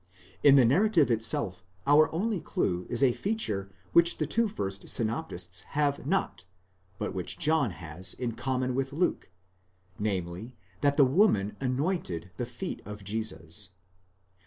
In the narrative itself our only clue is a feature which the two first synoptists have not, but which John has in common with Luke; namely, that the woman anointed the feet of Jesus.